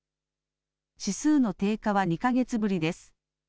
指数の低下は２か月ぶりです。